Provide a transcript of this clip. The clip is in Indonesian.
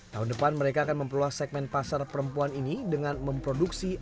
tahun depan mereka akan memperluas segmen pasar perempuan ini dengan memproduksi